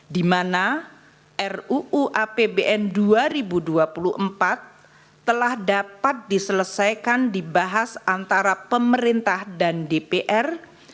di mana ruu apbn dua ribu dua puluh empat telah dapat diselesaikan dibahas antara pemerintah dan dpr